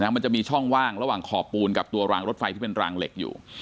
มันจะมีช่องว่างระหว่างขอบปูนกับตัวรางรถไฟที่เป็นรางเหล็กอยู่